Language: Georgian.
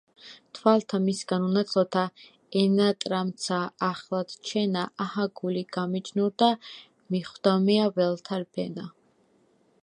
თვალთა მისგან უნათლოთა, ენატრამცა ახლად ჩენა, აჰა გული გამიჯნურდა, მიხვდომია ველთა რბენა!